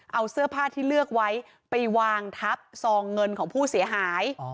เอาเสื้อผ้าที่เลือกไว้ไปวางทับซองเงินของผู้เสียหาย